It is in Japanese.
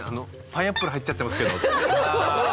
パイナップル入っちゃってますけど」。